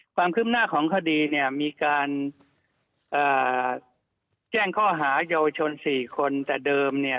ความคืบหน้าของคดีเนี่ยมีการเอ่อแจ้งข้อหาเยาวชนสี่คนแต่เดิมเนี่ย